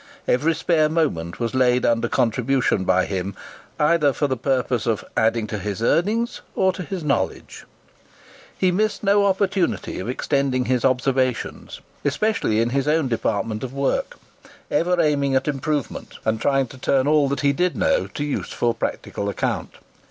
Every spare moment was laid under contribution by him, either for the purpose of adding to his earnings, or to his knowledge. He missed no opportunity of extending his observations, especially in his own department of work, ever aiming at improvement, and trying to turn all that he did know to useful practical account.